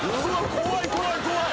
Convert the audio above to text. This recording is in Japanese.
怖い怖い怖い。